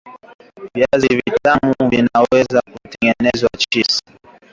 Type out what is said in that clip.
Viazi vitamu vinaweza kutengenezwa chips